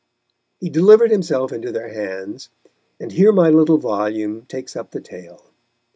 He delivered himself into their hands, and here my little volume takes up the tale.